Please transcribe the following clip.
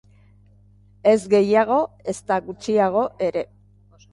Ez gehiago, ezta gutxiago ere.